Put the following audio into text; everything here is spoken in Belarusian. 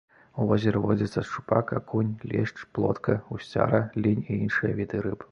У возеры водзяцца шчупак, акунь, лешч, плотка, гусцяра, лінь і іншыя віды рыб.